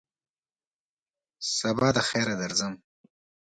سبا دخیره درځم !